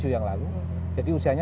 dua ribu tujuh yang lalu jadi usianya